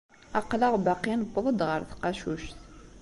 Aql-aɣ baqi newweḍ-d ɣer tqacuct.